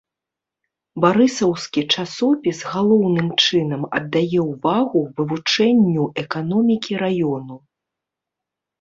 Барысаўскі часопіс галоўным чынам аддае ўвагу вывучэнню эканомікі раёну.